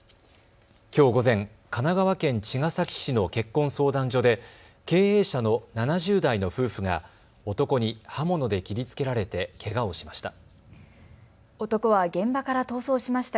きょう午前、神奈川県茅ヶ崎市の結婚相談所で経営者の７０代の夫婦が男に刃物で切りつけられてけがをしました。